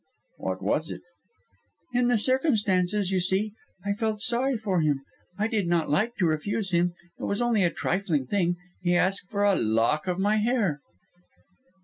"What was it?" "In the circumstances you see I felt sorry for him I did not like to refuse him; it was only a trifling thing. He asked for a lock of my hair!"